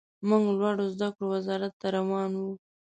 موږ لوړو زده کړو وزارت ته روان وو.